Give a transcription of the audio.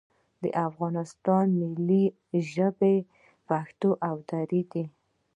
د افغانستان ملي ژبې پښتو او دري دي